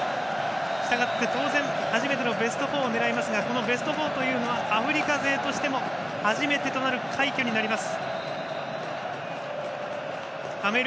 したがって、当然初めてのベスト４を狙いますがこのベスト４というのはアフリカ勢としても初めてとなる快挙となります。